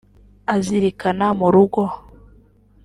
azirikana mu rugo